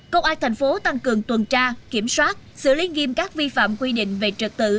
công an thành phố tăng cường tuần tra kiểm soát xử lý nghiêm các vi phạm quy định về trật tự